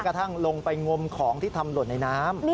กระทั่งลงไปงมของที่ทำหล่นในน้ำ